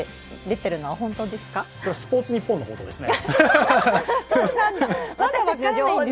それはスポーツニッポンの報道ですね。